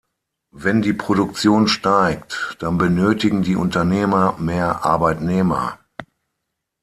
Wenn die Produktion steigt, dann benötigen die Unternehmer mehr Arbeitnehmer.